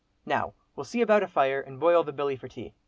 Now we'll see about a fire, and boil the billy for tea.